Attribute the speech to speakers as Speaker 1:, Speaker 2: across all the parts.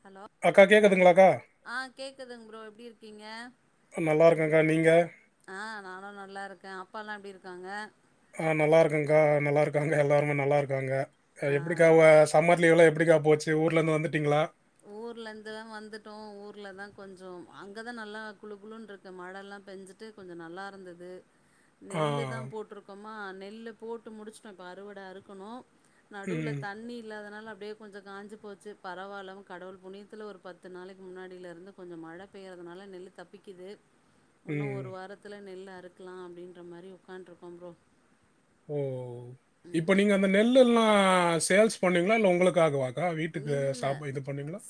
Speaker 1: Hello
Speaker 2: அக்கா கேட்குதுங்களாக்கா
Speaker 1: கேக்குதா ஆ கேக்குதுங் ப்ரோ எப்டிருக்கீங்க
Speaker 2: நல்லா இருக்கேங்க்கா நீங்க
Speaker 1: ஆ நானு நல்லாருக்கே அப்பால்லா எப்டிருக்காங்க
Speaker 2: ஆ நல்லாருக்கேக்கா நல்லா இருக்காங்க எல்லாருமே நல்லா இருக்காங்க
Speaker 1: ஆ
Speaker 2: எப்படிக்கா சம்மர் லீவ்லா எப்டி கா போச்சு ஊர்ல இருந்து வந்துட்டீங்களா
Speaker 1: ஊர்ல இருந்துலா வந்துட்டோ ஊர்ல தா கொஞ்ச அங்கதா நல்லா குழு குழு இருக்கு மழைல்லா பெஞ்சுட்டு கொஞ்ச நல்லாருந்தது
Speaker 2: ஆ
Speaker 1: நெல்லுதா போட்ருக்கோமா நெல்லு போட்டு முடிச்சட்டோ இப்போ அறுவட அறுக்கணு நடுவுல
Speaker 2: ம்
Speaker 1: தண்ணி இல்லாதனால அப்படியே கொஞ்ச காஞ்சி போச்சு பரவால்லங் கடவுள் புனியத்தில ஒரு பத்து நாளைக்கு முன்னாடியிலருந்து கொஞ்ச மழ பெய்றதுனால நெல் தப்பிக்குது இன்னு
Speaker 2: ம்
Speaker 1: ஒரு வாரத்துல நெல் அறுக்கலா அப்படின்ற மாரி உட்காண்ட்ருக்கோ ப்ரோ
Speaker 2: ஓ இப்ப நீங்க அந்த நெல்ல எல்லா சேல்ஸ் பண்ணுவீங்களா இல்ல உங்களுக்காக வா
Speaker 1: இல்ல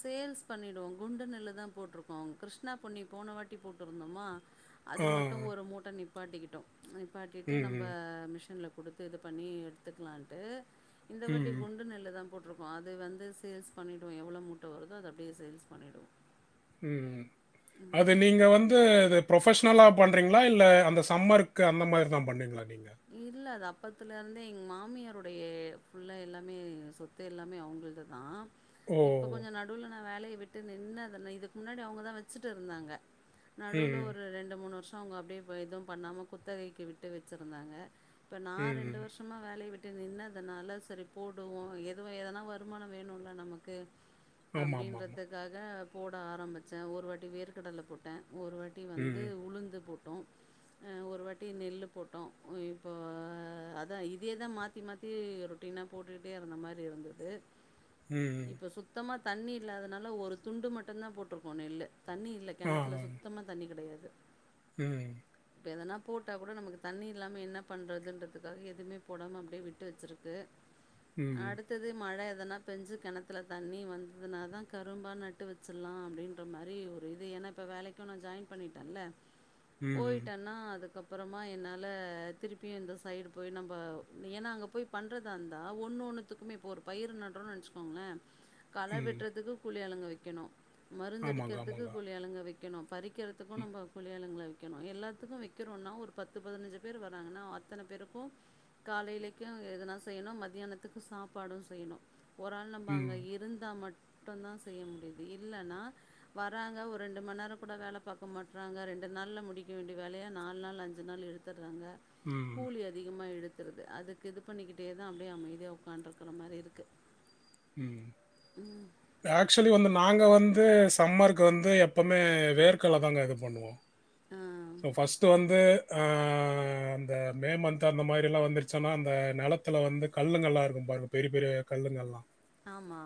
Speaker 1: சேல்ஸ் பண்ணிடுவோ குண்டு நெல்லு தா போட்ருக்கோ கிருஷ்ணா பொண்ணி போன வாட்டி போட்ருந்தோமா
Speaker 2: ஆ
Speaker 1: அது மட்டு ஒரு மூட்ட நிப் நிப்பாட்டிக்கிட்டோ நிப்பாட்டிட்டு
Speaker 2: ம்
Speaker 1: நம்ப
Speaker 2: ம்
Speaker 1: மிஷின்ல குடுத்து இது பண்ணி எடுத்துக்கலான்ட்டு இந்த வாட்டி
Speaker 2: ம்
Speaker 1: குண்டு நெல்லு தா போட்ருக்கோ அது வந்து சேல்ஸ் பண்ணிடுவோ எவ்ளோ மூட்ட வருதோ அத அப்டியே சேல்ஸ் பண்ணிடுவோ
Speaker 2: ம் அது நீங்க வந்து அது ப்ரொபஷனலா பண்றிங்களா இல்ல அந்த சம்மர்கு அந்த மாரி தா பண்றீங்களா நீங்
Speaker 1: இல்ல அத அப் அப்போத்துலேந்தே எங்க மாமியாருடைய ஃபுல்லா எல்லாமே சொத்து எல்லாமே அவங்கள்துதா இப்ப
Speaker 2: ஓ
Speaker 1: கொஞ்ச நடுவுல நா வேலய விட்டு நின்னு இதுக்கு முன்னாடி அவங்கதா வச்சிட்டு இருந்தாங்க நடுவுல
Speaker 2: ம்
Speaker 1: ஒரு ரெண்டு மூணு வருஷ அவங்க அப்டியே எதுவும் பண்ணாம குத்தகைக்கு விட்டு வச்சி இருந்தாங்க இப்ப நா ரெண்டு
Speaker 2: ம்
Speaker 1: வருஷமா வேலய விட் டு நின்னதுனால சரி போடுவோ எதுவும் எதனா வருமான வேணுல நமக்கு
Speaker 2: ஆமாம் ஆமாம் ஆமாம்
Speaker 1: அப்படின்றதுக்காக போட ஆரம்பிச்ச ஒரு வாட்டி வேர்கடலை போட்ட ஒரு வாட்டி
Speaker 2: ம்
Speaker 1: வந்து உளுந்து போட்டோ ஒரு வாட்டி நெல்லு போட்
Speaker 2: [inaudible]
Speaker 1: அதா இதே தா மாத்தி மாத்தி ரொட்டீனா போட்டுட்டே இருந்த மாரி இருந்தது
Speaker 2: ம்.
Speaker 1: இப்ப சுத்தமா தண்ணி இல்லாதனால ஒரு துண்டு மட்டுந்தா போட்ருக்கோ நெல்லு தண்ணி இல்ல
Speaker 2: ஆ.
Speaker 1: கெணத்துல
Speaker 2: ஆ.
Speaker 1: சுத்தமா தண்ணி கெடயாது
Speaker 2: ம்
Speaker 1: இப்ப எதுனா போட்டா கூட நமக் தண்ணி இல்லாம என்ன பண்ணுறதுன்றதுக்காக எதுமே போடாம அப்டியே விட்டு வச்சிருக்கு
Speaker 2: ம்.
Speaker 1: அடுத்தது மழ எதனா பெஞ்சு கெணத்துல தண்ணி வந்ததுன தா கரும்பா நட்டு வச்சில்லா அப்படின்ற மாரி ஒரு இது ஏனா இப்ப வேலைக்கு நா ஜாயின் பண்ணிட்டல்ல
Speaker 2: ம்.
Speaker 1: போயிட்டன்னா அதுக்கப்பறமா என்னா ல திருப்பியு இந்த சைடு போய் நம்ப ஏன்னா அங்க போய் பண்றதான்தா ஒன்னு ஒண்ணுத்துக்குமே இப்ப ஒரு பயிறு நடுறோனு நெனச்சிகோங்கள கல
Speaker 2: ம்.
Speaker 1: வெட்றதுக்கு குழி ஆளுங்க வைக்கணு
Speaker 2: ஆமாங்க,
Speaker 1: மருந்தடிக்கிறதுக்கு
Speaker 2: ஆமாங்க.
Speaker 1: குழி ஆளுங்க வைக்கணு பறிக்கிறதுக்கு நம்ப கூழியாளுங்கள வைக்கணும எல்லாத்துக்கு வைக்கிறோனா ஒரு பத் பத்து பதினஞ்சு பேர் வராங்கன்னா அத்தன பேருக்கு காலையிலைக்கு எதுனா செய்யணு மத்தியானத்துக்கு சாப் பாடு செய்ணு ஒரு ஆள் நம்ப அங்க
Speaker 2: ம்.
Speaker 1: இருந்தா மட் மட்டுந்தா செய்ய முடியுது இல்லன்னா வராங்க ஒரு ரெண்டு மணி நேர கூட வேல பாக்க மாட்றாங்க ரெண் ரெண்டு நாள்ல முடிக்க வேண்டிய வேலைய நாலு நாள் அஞ்சு நாள் எடுத்துடுறாங்க
Speaker 2: ம்.
Speaker 1: கூலி அதிகமாயிடு அதுக்கு இது பண்ணிக்கிட்டே தா அப்டி அமைதியா ஒக்கான்று இருக்க மாரி இருக்கு
Speaker 2: ம் ஆக்சுவளி வந்து நா நாங்க வந்து சம்மருக்கு வந்து எப்பமே வேர்கல்ல தாங்க இது பண்ணுவோ சோ ஃபஸ்ட்டு வந்து அந்த மே மந்த் அந்த மாரி எல்லா வந்துருச்சுன்னா அந்த நா தகாலத்துல வந்து கல்லுங்கள்லா இருக்கு பாருங்க பெரிய பெரிய கல்லுங்கல்லா
Speaker 1: ஆமா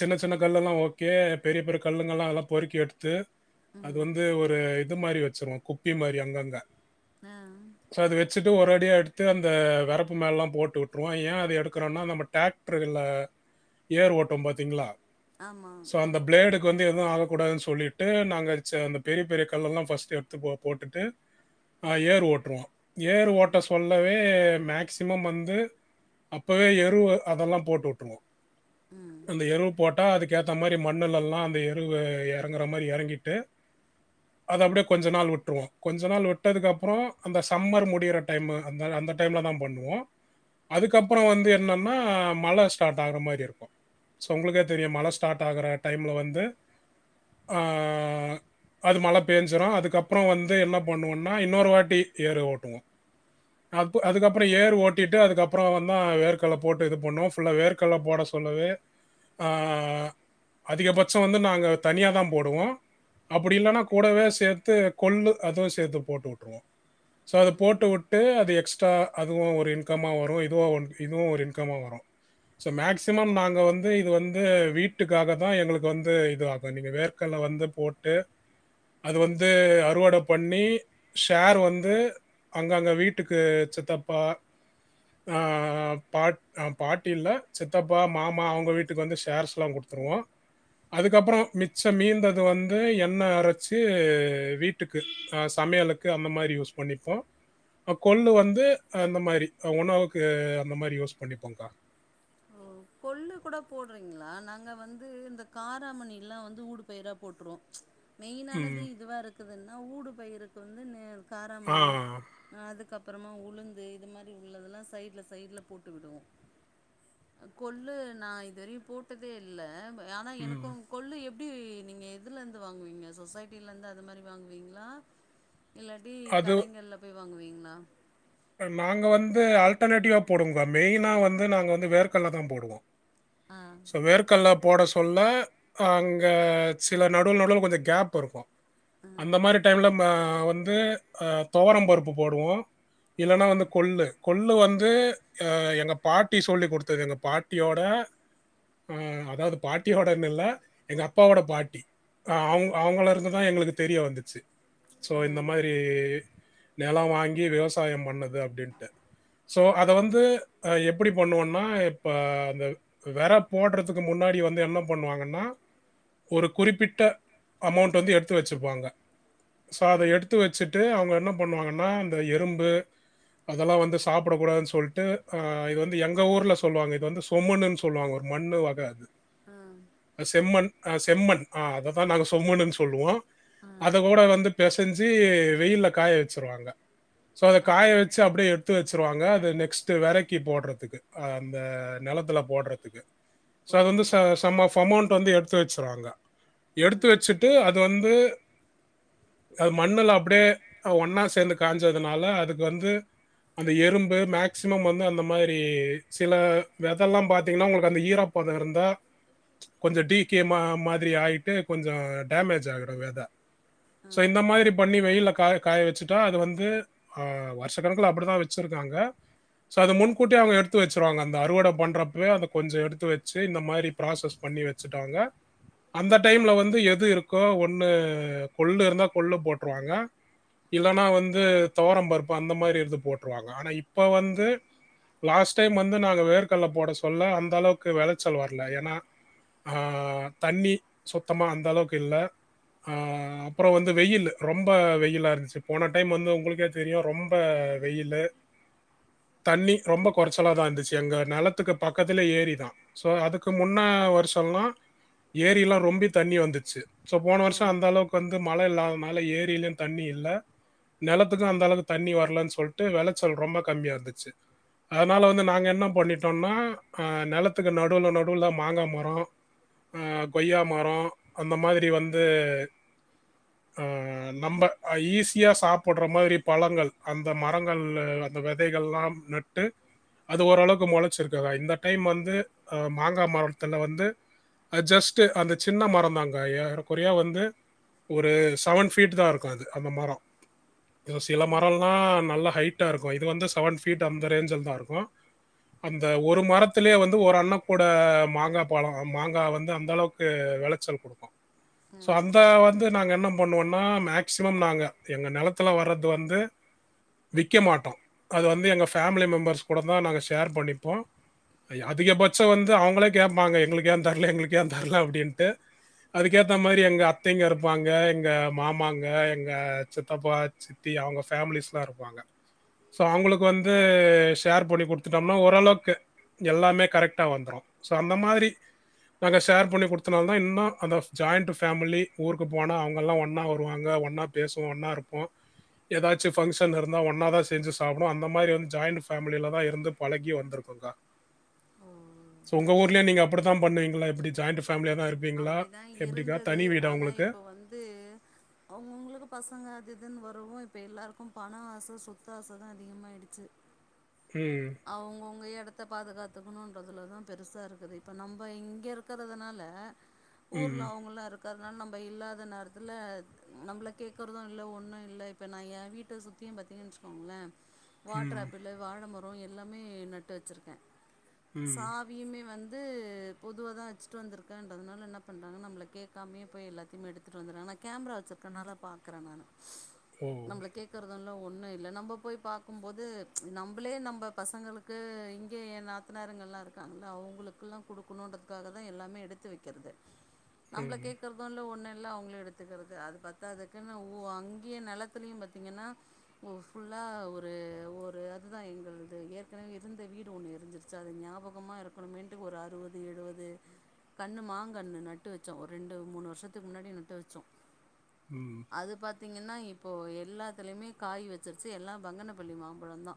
Speaker 2: சின்ன சின்ன கல்ல எல்லா ஓகே பெரிய பெரிய கல்லுங்கல்லா அதலா பொறுக்கி எடுத்து அது
Speaker 1: ம்
Speaker 2: வந்து ஒரு இது மாரி வச்சிருவோ குப்பி மாரி அங்கங்க
Speaker 1: அ
Speaker 2: ஸோ அது வச்சுட்டு ஒரு அடியா எடுத்து அந்த வரப்பு மேலல்லா போட்டு வுட்டுருவோ ஏ அத எடுக்குறோனா நம்ம டிராக்டருல ஏர் ஓட்ட பாத்தீங்களா
Speaker 1: ஆமா
Speaker 2: வந்து எதுவு ஆகக் கூடாது சொல்லிட்டு நாங்க அந்த பெரிய பெரிய கல்லெல்லா ஃபஸ்ட் எடுத் போட்டுட்டு ஏரு ஓட்டுருவோ ஏரு
Speaker 1: ம்
Speaker 2: ஓட்ட சொல்லவே மேக்சிமம் வந்து அப்பவே எரு அதெல்லா போட்டு வுட்டுருவோ
Speaker 1: ம்
Speaker 2: அந்த எருவு போட் டா அதுகேதாமாரி மண்ணலலா அந்த எருவு எறங்கற மாரி எறங்கிட்டு அது அப்படியே கொஞ்ச நாள் விட்டுருவோ கொஞ்ச நாள் விட்டதுக்கு அப்புறம் அந்த சம்மர் முடியுர டைமு அந்த அந்த டைம்லதான் பண்ணுவோ அதுக்கப்புறம் வந்து என்னன்னா மழை ஸ்டார்ட் ஆகுற மாரி இருக்கு சோ உங்களுக்கே தெரியும் மழ ஸ்டார்ட் ஆகுற டைம்ல வந்து ஆ அது மழை பேஞ்சிரு அதுக் அப்புறம் வந்து என்ன பண்ணுவோனா இன்னொரு வாட்டி ஏறு ஓட்டுவோம் அ அதுக்கப்புறம் ஏர் ஓட்டிட்டு அதுக்கப்புறம் வந்த ஏர்க்கல போட்டு இது பண்ணுவோ ஃபுல்லா வேர்க்கல்ல போட சொல்லவே ஆ அதிகபட்சோ வந்து நாங்க தனியா தான் போடுவோ அப்படி இல்லனா கூடவே சேர்த் து கொல்லு அதுவு சேர்த்து போட்டு வுட்டுருவோ சோ அத
Speaker 1: ம்
Speaker 2: போட்டு உட்டு அது எக்ஸ் அதுவும் ஒரு இன்கம்மா வரும் இதுவும் இதுவும் ஒரு இன்கம்மா வரும் சோ மேக்சிமம் நாங்க வந்து இது வந்து வீட்டுக்காக தான் எங்களுக்கு வந்து இதுவாகு நீங்க வேர்க்கல்ல வந்து போட்டு அது வந்து து அறுவடை பண்ணி ஷேர் வந்து அங்க அங்க வீட்டுக்கு சித்தப்பா ஆ பாட் பாட்டி இல்ல சித்தப்பா மாமா அவங்க வீட்டுக்கு வந்து ஷேர்ஸ்லாம் கொடுத் தருவோம் அதுக்கப்பரொ மிச்சம் மீந்தது வந்து எண்ணெய் அரைச்சு ஏ வீட்டுக்கு ஆ சமையலுக்கு அந்த மாரி யூஸ் பண்ணிப்போ அ கொள்ளு வந்து அந்த மாரி உணவுக்கு அந்த மாரி யூஸ் பண்ணிப்போம்கா [inaudible]
Speaker 1: ஓ கொள்ளு கூட போடுறீங்களா நாங்க வந்து இந்த காராமணி இல்லா வந்து ஊடு பயிரா போட்ருவோ மெயினானது
Speaker 2: ம்
Speaker 1: இதுவாக இருக்குதுனா ஊடு பயிருக்கு வந்துன்னு
Speaker 2: ஆ
Speaker 1: காராமணி அதுக்கப் ப்பறமா உளுந்து இது மாரி உள்ளதெல்லா சைடு்ல சைடுல போட்டு விடுவோம் ஆ கொள்ளு நான் இதுவரையு போட்டதே இல்ல பே ஆனா
Speaker 2: ம்
Speaker 1: எனக்கும் கொல்லு எப் எப்டி நீங்க எதுலந்து வாங்குவீங்க சொசைட்டிலந்து அது மாதிரி வாங்குவீங்களா இல்லாட்டி கடைங்கல்ல போய் வாங்குவீங்களா
Speaker 2: ஆ நாங்க வந்து ஆல்டர்னேட்டிவா போடுவங்கா மெயினா வந்து நாங்க வந்து வேர்கல்ல தான் போடுவோ
Speaker 1: ஆ,
Speaker 2: சோ வேர்கல்ல போட சொல்ல அங்க சில நடுவுல நடுவுல கொஞ்சம் கேப் இருக்கு
Speaker 1: ஆ,
Speaker 2: அந்த மாரி டைம்ல ம வந்து அ தொவரம் பருப்பு போடுவோ இல்லன்னா வந்து கொள்ளு கொள் கொள்ளு வந்து அ எங்க பாட்டி சொல்லிக் கொடுத்தது எங்க பாட்டியோட ஆ அதாவது பாட்டியோடனு இல்ல எங்க அப்பாவோட பாட்டி அ அவங் அவங்கள இருந்துதான் எங்களுக்கு தெரிய வந்துச்சி சோ
Speaker 1: ஆ,
Speaker 2: இந்த மாதிரி நிலம் வாங்கி விவசாயம் பண்ணது அப்படின்ட்டு சோ அத வந்து எப்படி பண்ணுவோனா இப்ப அந்த வே விற போடுறதுக்கு முன்ன முன்னாடி வந்து என்ன பண்ணுவாங்கன்னா ஒரு குறிப்பிட்ட அமௌண்ட் வந்து எடுத்து வச்சிப்பாங்க சோ அத எடுத்து வச்சிட்டு அவங்க என்ன பண்ணுவாங்கன்னா இந்த எறும்பு அதெல்லா வந்து சாப்டக் கூடாதுன் சொல்ட்டு அன் இத வந்து எங்க ஊர்ல சொல்லுவாங்க இத வந்து சொமனு சொல்லுவாங்க ஒரு மண்ணு வக அது
Speaker 1: ஆ,
Speaker 2: அது செம்மன் அ செம்மன் ஆ அததான் நாங்க சொமன்னு சொல்லுவோ
Speaker 1: ஆ,
Speaker 2: அத கூட வந்து பெசஞ்சி வெயில்ல காய வச்சிருவாங்க சோ அத
Speaker 1: ஆ.
Speaker 2: காய வச்சி அப்படியே எடுத்து வச்சிருவாங்க அது நெக்ஸ்ட் வெரைக்கி போடுறதுக்கு அந்த நிலத் நிலத்தில போடறதுக்கு சோ அது வந்து
Speaker 1: ஓ!
Speaker 2: ச சம் ஆஃப் அமௌண்ட் வந்து எடுத்து வச்சுருவாங்க
Speaker 1: ஆ
Speaker 2: எடுத்து வச்சிட்டு அது வந்து அது மண்ணுல அப்படியே ஒன்னா சேர்ந்து காஞ்சதுனால அது வந்து அந்த எறும்பு மேக்சிமம் வந்து அந்த மாதிரி சில வெதல்லாம் பார்த்திங்கன்னா உங்களுக்கு அந்த ஈரப்பு போதும் இருந்தா கொஞ்சோ டிகே மா மாதிரி ஆயிட்டு கொஞ்சோ டேமேஜ் ஆகிருங்க அதா
Speaker 1: ஆ
Speaker 2: சோ இந்த மாதிரி பண்ணி வெயில்ல காய காய வெச்சிட்டா அது வந்து ஆ வருஷ கணக்குல அப்படித்தா வச்சிருக்காங்க சோ அது முன்கூட்டியே அவங்க எடுத்து வச்சிருவாங்க அந்த அறுவட பண்றப்பவே அத கொஞ்சோ எடுத்து வச்சு இந்த மாதிரி ப்ராசஸ் பண் ணி வெச்சிட்டாங்க அந்த டைம்ல வந்து எது இருக்கோ ஒண்ணு கொள்ளு இருந்தா கொள்ளு போட்ருவாங்க இல்லனா வந்து தோவரம் பருப்பு அந்த மாரி எடுத்து போட்ருவாங்க ஆனா இப்போ வந்து லாஸ்ட் டைம் வந்து நாங்க வேர்கடல்ல போட சொல்ல அந்த அளவுக்கு வெளைச்சல் வர்ல ஏன்னா ஆ தண்ணி சுத்தமா அந்த அளவுக்கு இல்ல ஆ அப்புறோ வந்து வெயில்லு ரொம்ப வெயிலா இருந்துச்சி போன டைம் வந்து உங்களுக்கே தெரியு ரொம்ப வெயிலு தண்ணி ரொம்ப கொறைச்சலா தா இருந்துச்சு எங்க நெலத்துக்கு பக்கத்துல ஏறிதா சோ அதுக்கு முன்ன னே வருஷொல்லா ஏரி எல்லா ரொம்பி தண்ணி வந்துச்சி சோ போன
Speaker 1: ஓ
Speaker 2: வருஷொ அந்த அளவுக்கு வந்து மழ இல்லாதனால ஏரியிலு தண்ணி இல்ல நெலத் துக்கு அந்த அளவு தண்ணி வர்லன் சொல்லிட்டு வெளச்சல் ரொம்ப கம்மியா இருந்துச்சு அதனால வந்து நாங்க என்ன பண்ணிட்டோனா அ நெலத்துக்கு நடுவுல நடுவுல மாங்கா மரோ அ கொய்யா மரோ அந்த மாதிரி வந்து அ நம்ப அ ஈஸியா சாப் புட்ற மாரி பழங்கள், அந்த மரங்கள்ல அந்த வெதைகள்லா நட்டு அது ஓரளவுக்கு மொளச்சிருக்குவா இந்த டைம் வந்து அ மாங்கா மரத்துல வந்து அது ஜஸ்ட் அந்த சின்ன மரந்தாங்க ஏறக்குறையா வந்து ஒரு செவன் ஃபீட் தா இருக்கு இது அந்த மரோ அ சில
Speaker 1: ம்
Speaker 2: மரோல்லா நல்லா ஹைட்டா இருக்கு. இது வந்து செவன் ஃபீட் அந்த ரேஞ்ச்ல தா இருக்கு. அந்த ஒரு மரத்துலேயே வந்து ஒரு அண்ணக்கூட மாங்கா பழொ. மாங்கா வந்து அந்த அளவுக்கு வெளைச்சல் குடுக்கு. சோ
Speaker 1: ம்
Speaker 2: அந்த வந்து நாங்க என்ன பண்ணுவோன்னா மேக்சிமம் நாங்க எங்க நிலத் த்துல வர்றது வந்து விக்க மாட்டோ. அது வந்து எங்க ஃபேமிலி மெம்பர்ஸ் கூட தா நாங்க ஷேர் பண்ணிப்போ. ஐ அதிகபட்ச வந்து அவங்களே கேப்பாங்க. எங்களுக்கு ஏ தரல எங்களுக்கு ஏ தரல அப்டின்ட்டு அதுக்கேத்த மாரி எங்க அத்தைங்க இருப்பாங்க, எங்க மாமாங்க, எங்க சித்தப்பா சித்தி, அவங்க ஃபேமிலிஸ்லா இருப்பாங்க. சோ அவங்ளுக்கு வந்து ஷேர் பண்ணி குடுத்துட்டோம்னா ஓரளவுக்கு எல்லாமே கரெக்ட்டா வந்துரு சோ அந்த மாரி நாங்க ஷேர் பண்ணி குடுத்தனால தா இன்னு அந்த ஜாயிண்ட் ஃபேமிலி ஊருக்கு போனா அவங்க எல்லா ஒன்னா வருவாங்க. ஒன்னா பேசுவோ, ஒன்னா இருப்போ. ஏதாச்சு ஃபங்க்ஷன் இருந்தா ஒன்னாாதா செஞ்சு சாப்ட்டுவோ. அந்த மாரி வந்து ஜாயிண்ட் ஃபேமிலதா இருந்து பழகி வந்துருக்கோக்கா
Speaker 1: ஓ
Speaker 2: சோ உங்க
Speaker 1: எங்
Speaker 2: ஊர்லயு நீங்க அப்டித்தா பண்ணுவீங்ளா? எப்டி ஜாயிண்ட் ஃப்
Speaker 1: அப்டிதா இருந்தது.
Speaker 2: வீடா
Speaker 1: ஆனா
Speaker 2: உங்களுக்கு
Speaker 1: இப்ப வந்து அவங்கவுங்களுக்கு பசங்க அது இதுன்னு வரவு இப்ப எல்லாருக்கு பண ஆச சொத்து ஆசதா அதிகமாயிடுச்சு
Speaker 2: ம்
Speaker 1: அவங்கவுங்க எடத்த பாதுகாத்துக்கணுன்றதுல தா பெருசா இருக்குது. இப்போ நம்ப இங்க இருக்குறதுனால ஊர்ல
Speaker 2: ம்
Speaker 1: அவங்கல்லா இருக் கறதுனால நம்ப இல்லாத நேரத்துல நம்மள கேக்கறது இல்ல ஒன்னு இல்ல. இப்ப நா ஏ வீட்ட சுத் தி பாத்தீங்கன்னு வச்சக்கோங்களே. வாட்டர்
Speaker 2: ம்
Speaker 1: ஆப்பிள், வாழ மரொ எல்லாமே நட்டு வச்சிருக்கே.
Speaker 2: ம்
Speaker 1: சாவியுமே வந் பொதுவா தா வெச்சிட்டு வந்துருக்கேன்றதுனால என்ன பண்றாங்க நம்மள கேக்காமயே போய் எல்லாத்தயு எடுத்துட் வந்துறாங்க. நா கேமரா வச்சிரு கறனால பாக்குறே நானு
Speaker 2: ஓ
Speaker 1: நம்மள கேக்குறதுல்ல ஒண்ணு இல்ல. நம்ப போய் பாக்கும்போது நம்பளே நம் ப பசங்களுக்கு இங்க ஏ நாத்தனாருங்க எல்லா இருக்காங்கல்ல. அவங்களுக்கு எல்லா குடுக்கணுன்றதுக்காகதா எல்லாமே எடுத்து வெக்கிறது நம்ப்ள
Speaker 2: ம்
Speaker 1: கேக்குறதோ இல்ல ஒன்னுல் ல்லா அவங்ளே எடுத்துகுறது அது பத்தாதக்குன்னு ன உ அங்கயே நெலத்துலையு பாத்தீங்கன்னா ஓ ஃபுல்லா ஆ ஒரு ஒரு அதுதா எங்கள் இது‌ ஏற்கனவே இருந்த வீடு ஒன்னு எரிஞ்சிருச்சி அது ஞாபகமா இருக்கணுமேன்ட் ஒரு அறுவது எழுவது கண்ணு மாங்கண்ணு நட்டு வெச்சோ ஒரு ரெண்டு, மூணு வருஷத்துக்கு முன்னாடி நட்டு வெச்சோ
Speaker 2: ம்
Speaker 1: அது பாத் த்தீங்ன்னா இப்போ எல்லாத்துலயுமே காய் வெச்சிருச்சி எல்லா பங்கணப்பள்ளி மாம்பழந்தா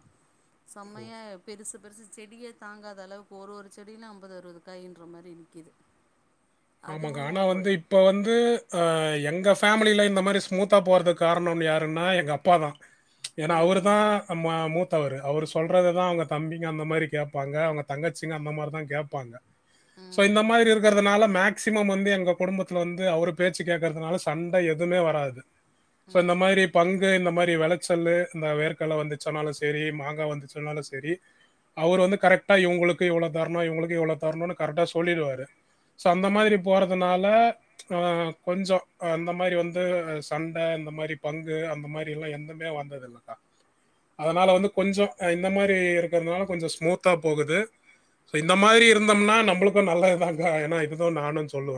Speaker 2: ஓ
Speaker 1: சம்மையா பெருசுப் பெருசு செடியே தாங்காத அளவுக்கு ஒரு ஒரு செடியிலு அம்பது அறுவது காய்ன்ற மாரி நிக்கிது
Speaker 2: ஆமாங்க ஆனா வந்து இப்ப வந்து அ எங்க ஃப் ஃபேமலில இந்த மாரி ஸ்மூத்தா போறதுக் காரணோன்னு யாருன்னா எங்க அப்பா தா ஏன்னா
Speaker 1: ஆ
Speaker 2: அவரு தா அம்ம மூத் தவரு அவுரு சொல்றதுதா அவங்க தம்பிங்க அந்த மாரி கேப்பாங்க அவங்க தங்கச்சிங்க அந்த மாரிதா கேப்பாங்க சோ இந்த
Speaker 1: ம்
Speaker 2: மாரி இருக்கறதுனால மேக் க்சிமம் வந்து எங்க குடும்பத்துல வந்து அவுரு பேச்சி கேக்கறதுனால சண்ட எதுமே வராது சோ இந்த
Speaker 1: ம்
Speaker 2: மாரி பங்கு இந்த மாரி வெளச் ச்சல்லு இந்த வேர்க்கல்ல வந்துச்சனாலு செரி மாங்கா வந்துச்சுனாலு செரி அவரு வந்து கரெக்ட்டா இவ்ங்களுக்கு இவ்ளோ தர்ணு இவ்ங்களுக்கு இவ்ளோ தர்ணுனு கரெக்ட்டா சொல்லிருவாரு அந்த
Speaker 1: ஆ
Speaker 2: மாதிரி போறது னால ஆ கொஞ்சொ அ அந்த மாரி வந்து சண்ட இந்த மாரி பங்கு அந்த மாரி எல்லா எந்தமே வந்ததில்லக்கா அதனால வந்து கொஞ்சொ அ இந்த மாரி இருக்கற்துனால கொஞ்சொ ஸ்மூத்தா போகுது சோ இந்த மாரி இருந்தோம்னா நம்ப்ளுக்கு நல்லதுதாங்க்கா ஏன்னா இதுதா நானு சொல்லுவ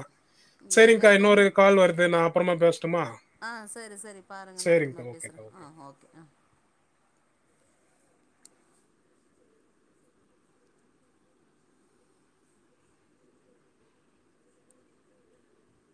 Speaker 2: சேரிக்கா
Speaker 1: எனக்குமே
Speaker 2: இன்னொரு கால் வருது நா அப்பறமா பேசட்டுமா
Speaker 1: ஆ சரி சரி பாருங்க நா அப்புறமா
Speaker 2: சரிங்கக்கா
Speaker 1: பேசுற
Speaker 2: ஓகேக்கா ஓகே
Speaker 1: ஆ ஓகே